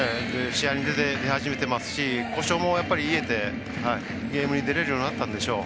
試合に出始めていますし故障も癒えてゲームに出られるようになったんでしょう。